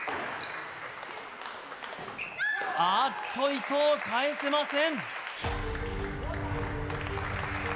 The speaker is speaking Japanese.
あっと、伊藤、返せません。